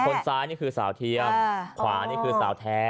ซ้ายนี่คือสาวเทียมขวานี่คือสาวแท้